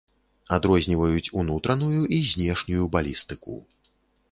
Адрозніваюць ўнутраную і знешнюю балістыку.